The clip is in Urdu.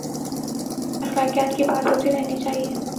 اخلاقیات کی بات ہوتی رہنی چاہیے۔